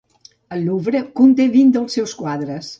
El Louvre conté vint dels seus quadres.